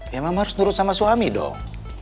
ya mama harus nurut sama suami dong